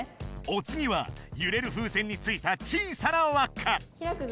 おつぎはゆれる風船についた小さなわっか。